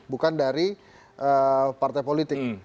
bukan dari partai politik